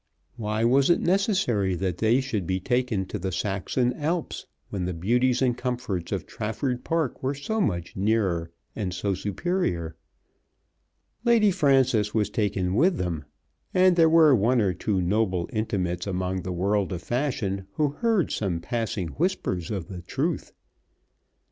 Why was it necessary that they should be taken to the Saxon Alps when the beauties and comforts of Trafford Park were so much nearer and so superior? Lady Frances was taken with them, and there were one or two noble intimates among the world of fashion who heard some passing whispers of the truth.